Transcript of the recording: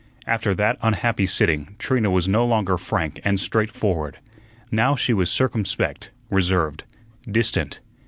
After that unhappy sitting, Trina was no longer frank and straight forward. Now she was circumspect, reserved, distant.